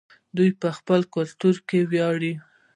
دوی په خپل کلتور ویاړي.